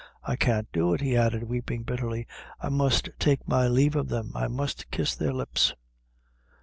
I can't do it," he added, weeping bitterly "I must take my lave of them; I must kiss their lips."